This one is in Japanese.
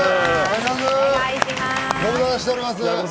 ご無沙汰しております。